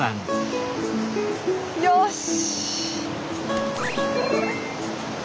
よし！